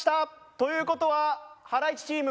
という事はハライチチーム